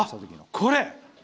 これ。